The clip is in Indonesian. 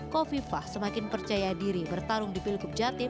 kofi fah semakin percaya diri bertarung di pilkub jatim